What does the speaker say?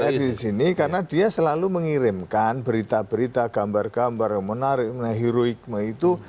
kita berbayat disini karena dia selalu mengirimkan berita berita gambar gambar menarik heroik itu